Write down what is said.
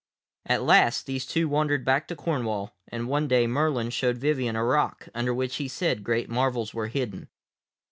At last these two wandered back to Cornwall, and one day Merlin showed Vivien a rock under which he said great marvels were hidden.